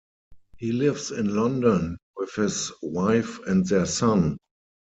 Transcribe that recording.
He lives in London with his wife and their son.